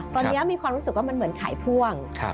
ตอนนี้มีความรู้สึกว่ามันเหมือนขายพ่วง